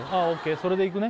それでいくね？